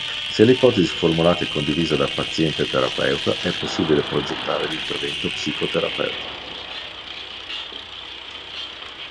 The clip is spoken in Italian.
Se l'ipotesi formulata è condivisa da paziente e terapeuta è possibile progettare l'intervento psicoterapeutico.